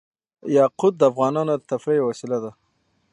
یاقوت د افغانانو د تفریح یوه وسیله ده.